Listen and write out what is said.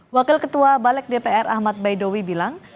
wakil ketua balik dpr ahmad baidowi bilang